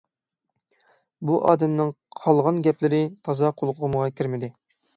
بۇ ئادەمنىڭ قالغان گەپلىرى تازا قۇلىقىمغا كىرمىدى.